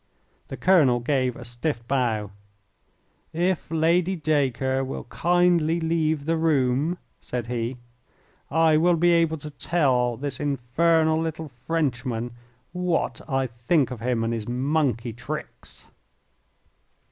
The colonel gave a stiff bow. "If Lady Dacre will kindly leave the room," said he, "I will be able to tell this infernal little Frenchman what I think of him and his monkey tricks."